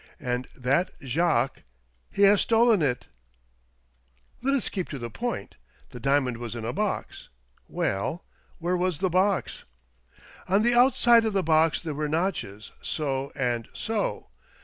And that Jacques — he has stolen it !"" Let us keep to the point. The diamond was in a box. Well, where was the box ?"" On the outside of the box there were notches — so, and so.